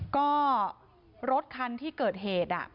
ก็รถคันที่เกิดเหตุ